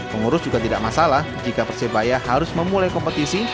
pengurus juga tidak masalah jika persebaya harus memulai kompetisi